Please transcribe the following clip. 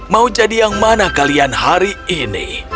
mau jadi yang mana kalian hari ini